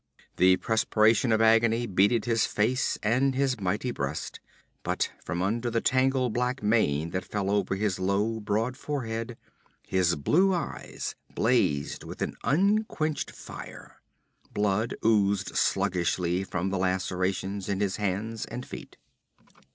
The perspiration of agony beaded his face and his mighty breast, but from under the tangled black mane that fell over his low, broad forehead, his blue eyes blazed with an unquenched fire. Blood oozed sluggishly from the lacerations in his hands and feet.